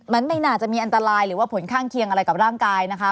มันไม่น่าจะมีอันตรายหรือว่าผลข้างเคียงอะไรกับร่างกายนะคะ